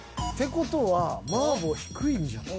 事は麻婆低いんじゃない？